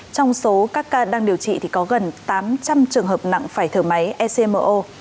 trong số các ca đang điều trị thì có gần tám trăm linh trường hợp nặng phải thở máy ecmo